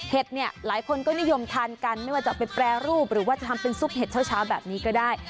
เนี่ยหลายคนก็นิยมทานกันไม่ว่าจะไปแปรรูปหรือว่าจะทำเป็นซุปเห็ดเช้าแบบนี้ก็ได้